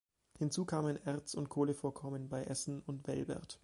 Hinzu kamen Erz- und Kohlevorkommen bei Essen und Velbert.